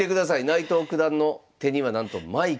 内藤九段の手にはなんとマイク。